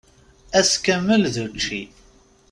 Ass kamel d učči.